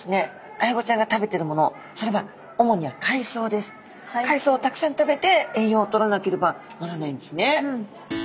アイゴちゃんが海藻をたくさん食べて栄養をとらなければならないんですね。